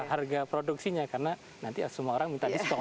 harga produksinya karena nanti semua orang minta diskon